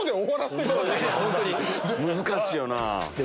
難しいよな。